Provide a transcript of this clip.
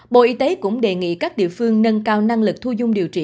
bộ y tế cũng đề nghị các địa phương nâng cao năng lực thu dung điều trị